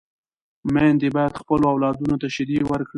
میندې باید خپلو اولادونو ته شیدې ورکړي.